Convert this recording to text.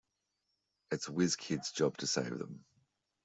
It is Wizkid's job to save them.